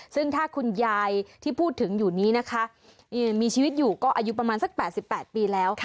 ซึ่งถ้าคุณยายที่พูดถึงอยู่นี้นะคะมีชีวิตอยู่ก็อายุประมาณสัก๘๘ปีแล้ว